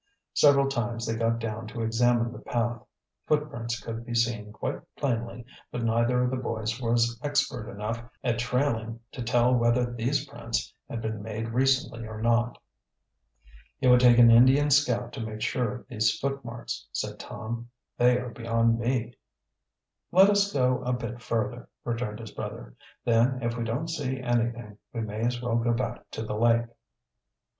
Several times they got down to examine the path. Footprints could be seen quite plainly, but neither of the boys was expert enough at trailing to tell whether these prints had been made recently or not. "It would take an Indian scout to make sure of these footmarks," said Tom. "They are beyond me." "Let us go a bit further," returned his brother. "Then if we don't see anything, we may as well go back to the lake."